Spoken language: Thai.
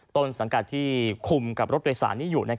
ต้นสังกัดที่คุมกับรถโดยสารนี้อยู่